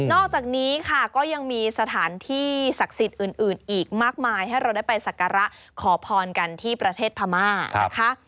อกจากนี้ค่ะก็ยังมีสถานที่ศักดิ์สิทธิ์อื่นอีกมากมายให้เราได้ไปสักการะขอพรกันที่ประเทศพม่านะคะ